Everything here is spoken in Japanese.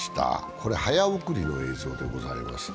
これ、早送りの映像でございます。